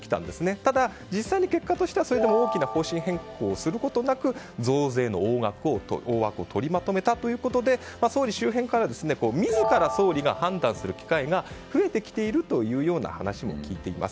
ただ、実際に結果としては大きな方針変更することなく増税の大枠を取りまとめたということで総理周辺からは自ら総理が判断する機会が増えてきているという話を聞いています。